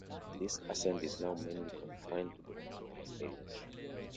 This accent is now mainly confined to the working class areas.